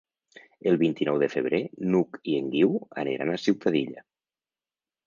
El vint-i-nou de febrer n'Hug i en Guiu aniran a Ciutadilla.